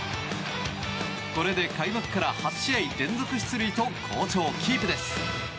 これで開幕から８試合連続出塁と好調キープです。